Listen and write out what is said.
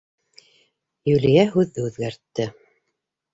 Юлия һүҙҙе үҙгәртте.